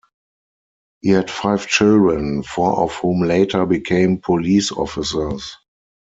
He had five children, four of whom later became police officers.